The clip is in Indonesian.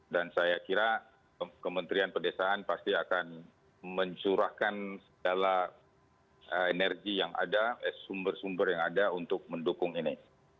dan saya kira kementerian pedesaan pasti akan mencurahkan segala energi yang ada sumber sumber yang ada untuk mendukung ini